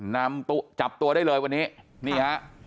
นำตัวได้เลยวันนี้นี่ฮะ